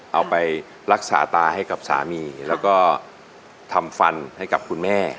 เอาไปรักษาตาให้กับสามีแล้วก็ทำฟันให้กับคุณแม่